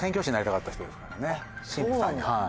神父さんにはい。